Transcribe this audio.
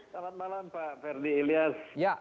selamat malam pak ferdi ilyas